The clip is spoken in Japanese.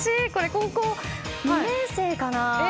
高校２年生かな。